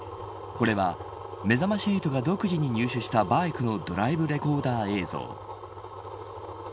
これはめざまし８が独自に入手したバイクのドライブレコーダー映像。